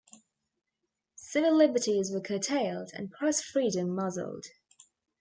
Civil liberties were curtailed and press freedom muzzled.